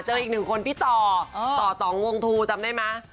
อีกหนึ่งคนพี่ต่อต่อตองวงทูจำได้ไหม